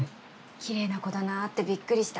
きれいな子だなってびっくりした。